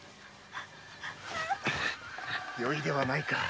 よいではないか。